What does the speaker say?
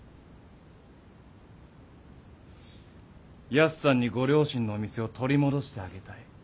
ヤスさんにご両親のお店を取り戻してあげたい。